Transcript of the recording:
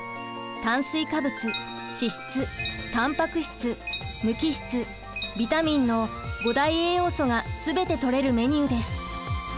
炭水化物脂質たんぱく質無機質ビタミンの５大栄養素が全てとれるメニューです。